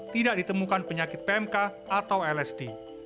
tidak ditemukan penyakit pmk atau lsd